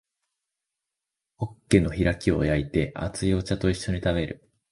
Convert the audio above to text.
ホッケの開きを焼いて熱いお茶と一緒に食べる